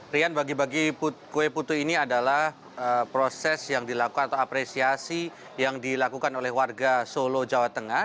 rian bagi bagi kue putu ini adalah proses yang dilakukan atau apresiasi yang dilakukan oleh warga solo jawa tengah